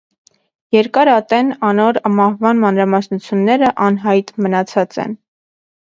Երկար ատեն անոր մահուան մանրամասնութիւնները անյայտ մնացած են։